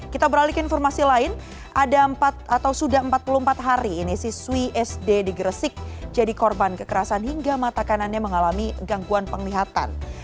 kita beralih ke informasi lain ada empat atau sudah empat puluh empat hari ini siswi sd di gresik jadi korban kekerasan hingga mata kanannya mengalami gangguan penglihatan